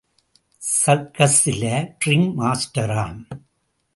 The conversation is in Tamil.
சர்க்கஸ்ல ரிங் மாஸ்டராம்.